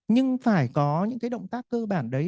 nhưng phải có những động tác cơ bản đấy